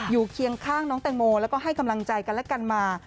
เคียงข้างน้องแตงโมแล้วก็ให้กำลังใจกันและกันมา